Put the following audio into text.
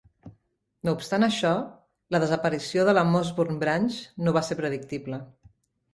No obstant això, la desaparició de la Mossburn Branch no va ser predictible.